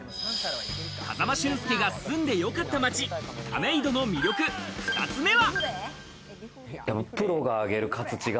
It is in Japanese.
風間俊介が住んでよかった街・亀戸の魅力、２つ目は。